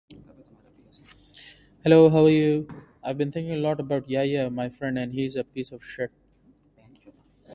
Rasmusen is signed with Lofton Creek Records.